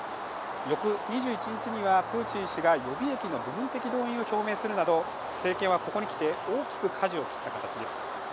翌２１日にはプーチン氏が予備役の部分的動員を表明するなど政権はここに来て大きくかじを切った形です。